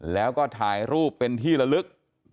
แล้วก็ถ่ายรูปเป็นที่ละลึก